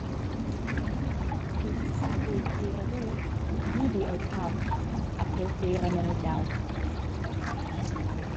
Pil singul tiradur midi ei pauc, ha Poltéra manegiau.